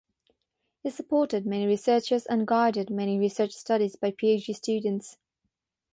He supported many researchers and guided many research studies by PhD students.